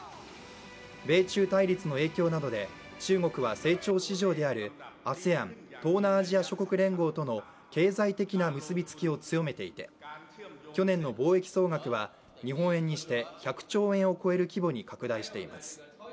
米中対立の影響などで中国は成長市場であるＡＳＥＡＮ＝東南アジア諸国連合との経済的な結びつきを強めていて去年の貿易総額は日本円にして１００兆円を超える規模に拡大しています。